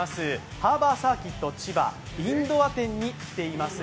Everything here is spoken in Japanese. ハーバーサーキット千葉インドア店に来ています。